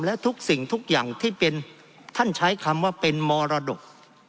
และทุกสิ่งทุกอย่างที่เป็นท่านใช้คำว่าเป็นมรดก